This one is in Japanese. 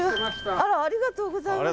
ありがとうございます。